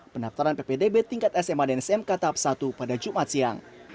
pendaftaran ppdb tingkat sma dan smk tahap satu pada jumat siang